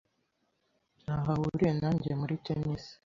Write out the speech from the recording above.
Ntaho ahuriye nanjye muri tennis.